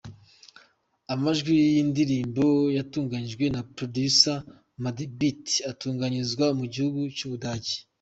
Amajwi y’iyi ndirimbo yatunganijwe na Producer Madebeat, atunganyirizwa mu gihugu cy’Ubugande.